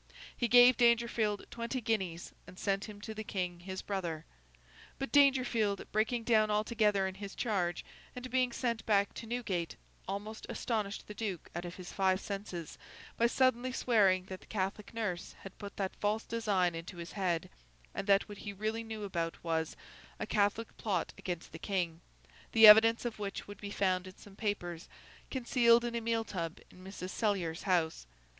He gave Dangerfield twenty guineas, and sent him to the King his brother. But Dangerfield, breaking down altogether in his charge, and being sent back to Newgate, almost astonished the Duke out of his five senses by suddenly swearing that the Catholic nurse had put that false design into his head, and that what he really knew about, was, a Catholic plot against the King; the evidence of which would be found in some papers, concealed in a meal tub in Mrs. Cellier's house.